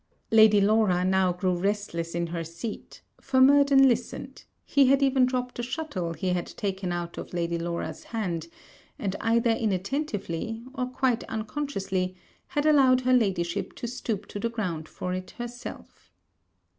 Lady Laura now grew restless in her seat; for Murden listened, he had even dropped a shuttle he had taken out of Lady Laura's hand, and either inattentively, or quite unconsciously, had allowed her ladyship to stoop to the ground for it herself.